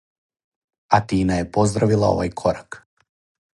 Атина је поздравила овај корак.